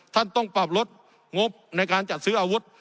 ต้องปรับลดงบในการจัดซื้ออาวุธ